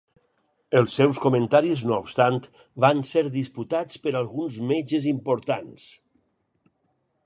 Els seus comentaris, no obstant, van ser disputats per alguns metges importants.